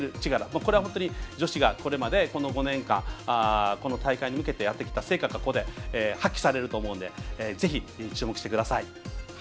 これは本当に女子が５年間この大会に向けてやってきた成果が発揮されると思うのでぜひ注目してください。